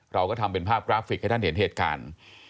เราก็ทำเป็นภาพกราฟิกให้ท่านเห็นเหตุการณ์